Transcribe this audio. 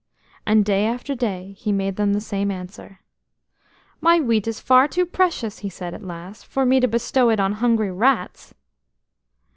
And day after day he made them the same answer. "My wheat is far too precious," he said at last, "for me to bestow it on hungry rats!"